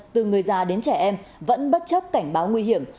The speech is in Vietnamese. từ người già đến trẻ em vẫn bất chấp cảnh báo nguy hiểm